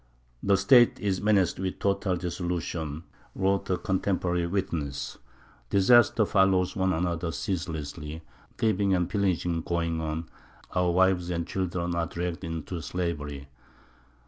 "The State is menaced with total dissolution," wrote a contemporary witness; "disasters follow one another ceaselessly; thieving and pillaging go on; our wives and children are dragged into slavery."